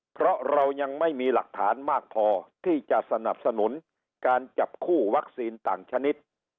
เพราะเรายังไม่มีหลักฐานมากพอที่จะสนับสนุนการจับคู่วัคซีนต่างชนิด